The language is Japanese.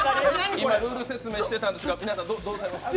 今、ルール説明してたんですが皆さん、どうされましたか？